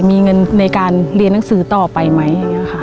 มีเงินในการเรียนหนังสือต่อไปไหม